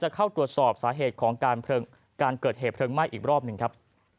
เข้าตรวจสอบสาเหตุของการเกิดเหตุเพลิงไหม้อีกรอบหนึ่งครับ